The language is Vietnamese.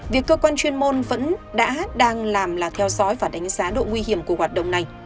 việc cơ quan chuyên môn vẫn đã đang làm là theo dõi và đánh giá độ nguy hiểm của hoạt động này